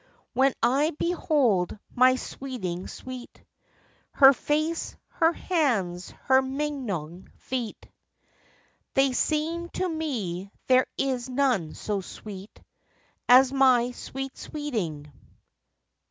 When I behold my sweeting sweet, Her face, her hands, her mignon feet, They seem to me there is none so sweet As my sweet sweeting.